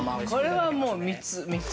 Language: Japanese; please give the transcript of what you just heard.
◆これは、もう３つ。